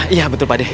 iya betul pak de